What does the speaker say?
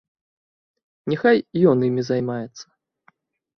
Няхай ён імі займаецца.